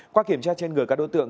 qua kiểm tra trên người các đối tượng